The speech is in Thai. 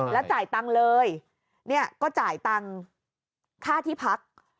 แล้วจ่ายตังค์เลยเนี่ยก็จ่ายตังค์ค่าที่พัก